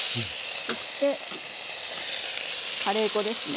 そしてカレー粉ですね。